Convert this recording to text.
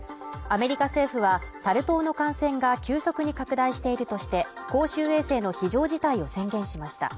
アメリカ政府はサル痘の感染が急速に拡大しているとして公衆衛生の非常事態を宣言しました